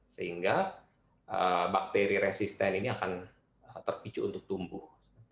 sehingga bakteri resisten ini akan terpicu untuk tumbuh